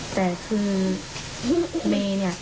แต่คือเมย์เนี่ย